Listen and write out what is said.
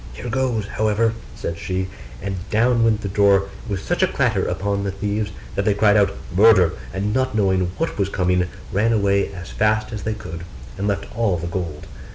'Here goes, however,' said she: and down went the door with such a clatter upon the thieves, that they cried out 'Murder!' and not knowing what was coming, ran away as fast as they could, and left all the gold.